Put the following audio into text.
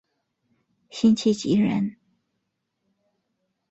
辛弃疾人。